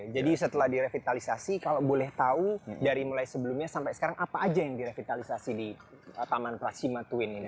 jadi setelah direvitalisasi kalau boleh tahu dari mulai sebelumnya sampai sekarang apa aja yang direvitalisasi di taman pracima twin ini